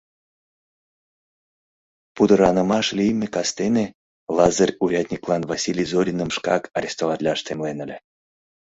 Пудыранымаш лийме кастене Лазыр урядниклан Василий Зориным шкак арестоватлаш темлен ыле.